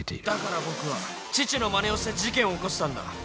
「だから僕は父のまねをして事件を起こしたんだ」